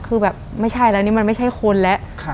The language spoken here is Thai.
คือแบบไม่ใช่แล้วนี่มันไม่ใช่คนแล้ว